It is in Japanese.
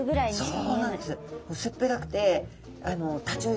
そうなんです。